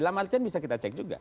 dalam artian bisa kita cek juga